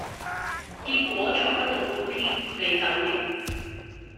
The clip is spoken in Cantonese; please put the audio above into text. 結果才不到半天，你走了。